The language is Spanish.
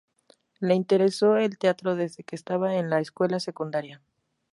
Le interesó el teatro desde que estaba en la escuela secundaria.